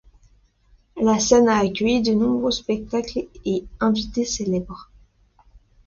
La scène a accueilli de nombreux spectacles et invités célèbres.